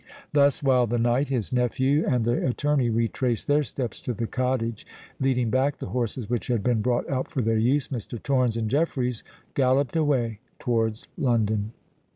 Thus, while the knight, his nephew, and the attorney retraced their steps to the cottage, leading back the horses which had been brought out for their use, Mr. Torrens and Jeffreys galloped away towards London.